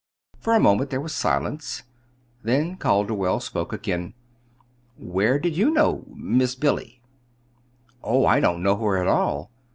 For a moment there was silence, then Calderwell spoke again. "Where did you know Miss Billy?" "Oh, I don't know her at all.